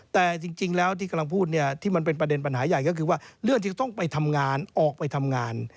แต่จริงแล้วที่กำลังพูดเนี่ยที่มันเป็นประเด็นปัญหาใหญ่ก็คือว่าเรื่องที่จะต้องไปทำงานออกไปทำงาน